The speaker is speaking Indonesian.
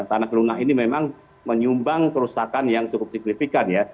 tanah lunak ini memang menyumbang kerusakan yang cukup signifikan ya